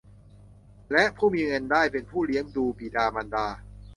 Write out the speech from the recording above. และผู้มีเงินได้เป็นผู้เลี้ยงดูบิดามารดา